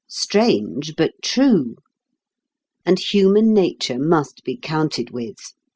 Strange, but true! And human nature must be counted with.